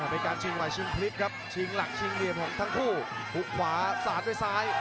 เป็นการชิงไหวชิงพลิกครับชิงหลักชิงเหลี่ยมของทั้งคู่หุบขวาสาดด้วยซ้าย